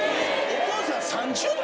お父さん３０代？